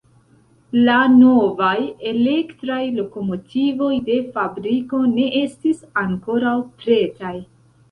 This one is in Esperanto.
La novaj elektraj lokomotivoj de fabriko ne estis ankoraŭ pretaj.